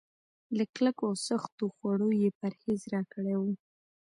له کلکو او سختو خوړو يې پرهېز راکړی و.